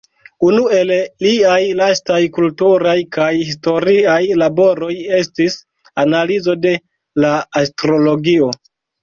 Unu el liaj lastaj kulturaj kaj historiaj laboroj estis analizo de la astrologio.